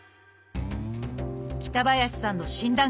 北林さんの診断